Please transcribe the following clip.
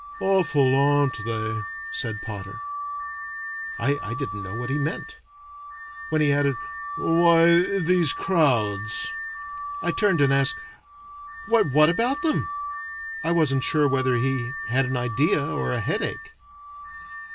"Awful, aren't they!" said Potter. I didn't know what he meant. When he added, "Why, these crowds," I turned and asked, "Why, what about them?" I wasn't sure whether he had an idea or a headache.